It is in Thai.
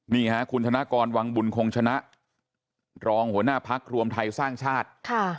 นี่ค่ะคุณธนกรวังบุญคงชนะรองหัวหน้าพักรวมไทยสร้างชาติ